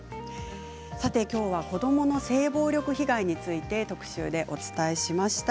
さて、きょうは子どもの性暴力被害について特集でお伝えしました。